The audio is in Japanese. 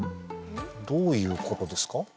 どういうことですか？